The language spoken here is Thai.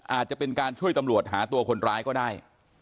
อาจจะเป็นการช่วยตำรวจหาตัวคนร้ายก็ได้